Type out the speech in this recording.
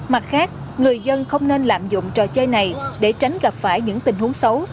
mặt khác người dân không nên lạm dụng trò chơi này để tránh gặp phải những tình huống xấu